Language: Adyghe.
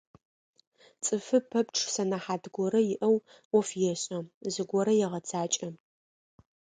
Цӏыфы пэпчъ сэнэхьат горэ иӏэу ӏоф ешӏэ, зыгорэ егъэцакӏэ.